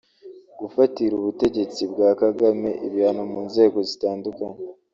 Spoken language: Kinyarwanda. Gufatira ubutegetsi bwa kagame ibihano mu nzego zitandukanye